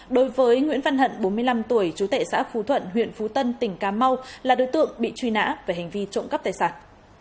đối với nguyễn văn hận bốn mươi năm tuổi chú tệ xã phú thuận huyện phú tân tỉnh cà mau là đối tượng bị truy nã về hành vi trộm cắp tài sản